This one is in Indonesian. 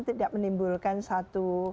tidak menimbulkan satu